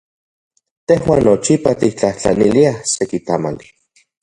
Tejuan nochipa tiktlajtlaniliaj seki tamali.